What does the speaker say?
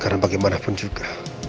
karena bagaimanapun juga